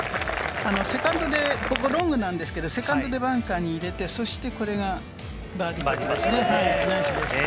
セカンドでここロングなんですけれども、セカンドでバンカーに入れて、そしてこれがバーディーパットですね。